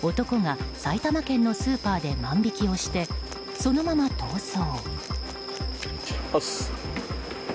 男が埼玉県のスーパーで万引きをして、そのまま逃走。